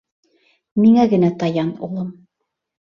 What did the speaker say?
Миңә генә таян, улым.